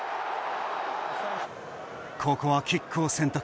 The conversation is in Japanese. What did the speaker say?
ここはキックを選択。